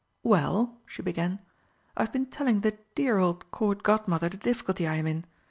"Well," she began, "I've been telling the dear old Court Godmother the difficulty I am in.